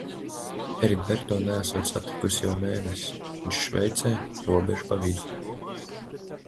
Heriberto neesot satikusi jau mēnesi, - viņš Šveicē, robeža pa vidu.